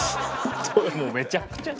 もうめちゃくちゃ。